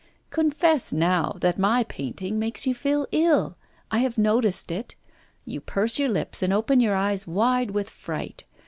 'Confess now that my painting makes you feel ill! I have noticed it. You purse your lips and open your eyes wide with fright.